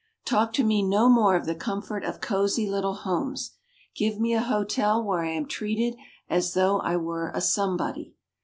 Talk to me no more of the comfort of cozy little homes. Give me a hotel where I am treated as though I were a Somebody.